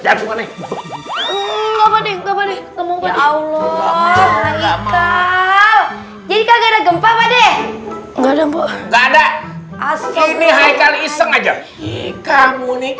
jadi kagak ada gempa gempa deh enggak ada asli nihai kali iseng aja kamu nih